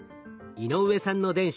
井上さんの電子